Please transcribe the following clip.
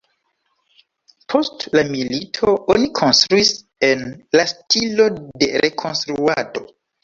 Post la milito oni konstruis en la stilo de rekonstruado.